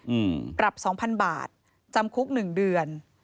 อืมปรับสองพันบาทจำคุกหนึ่งเดือน